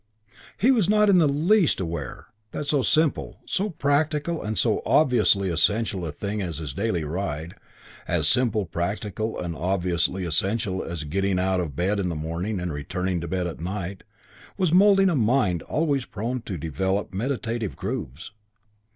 He was not in the least aware that so simple, so practical and so obviously essential a thing as his daily ride as simple, practical and obviously essential as getting out of bed in the morning and returning to bed at night was moulding a mind always prone to develop meditative grooves.